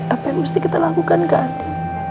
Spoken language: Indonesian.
apa yang mesti kita lakukan ke hati